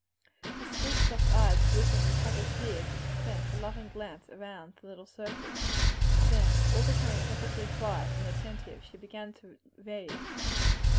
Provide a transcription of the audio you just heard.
Her sweet soft eyes glistened with happy tears as she sent a loving glance round the little circle; then all becoming perfectly quiet and attentive, she began to read.